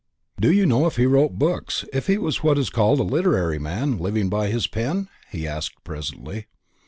"Do you know if he wrote books if he was what is called a literary man living by his pen?" he asked presently.